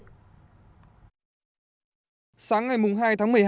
sáng ngày hai tháng một mươi hai tp hcm đã tạm thời cho sinh viên nghỉ học để phòng chống dịch